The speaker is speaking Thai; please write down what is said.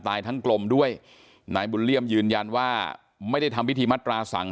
ทั้งกลมด้วยนายบุญเลี่ยมยืนยันว่าไม่ได้ทำพิธีมัตราสั่ง